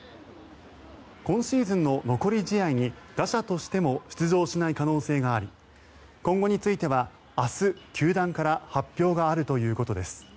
今シーズンの残り試合に打者としても出場しない可能性があり今後については明日、球団から発表があるということです。